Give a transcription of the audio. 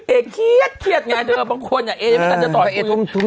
เอ๊ะเครียดเครียดไงเดี๋ยวบางคนเอ๊ะไม่ทันจะถอน